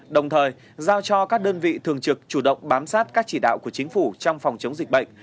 đồng thời giao cho các đơn vị thường trực chủ động bám sát các chỉ đạo của chính phủ trong phòng chống dịch bệnh